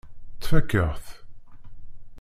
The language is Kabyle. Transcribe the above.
Tfakk-aɣ-t.